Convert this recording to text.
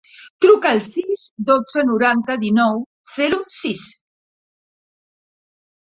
Truca al sis, dotze, noranta, dinou, zero, sis.